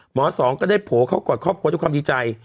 สองก็ได้โผล่เข้ากอดครอบครัวทุกความดีใจ